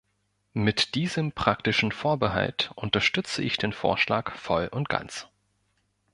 Mit diesem praktischen Vorbehalt unterstützte ich den Vorschlag voll und ganz.